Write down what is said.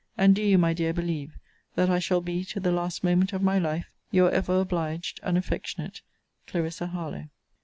And do you, my dear, believe that I shall be, to the last moment of my life, Your ever obliged and affectionate CLARISSA HARLOWE.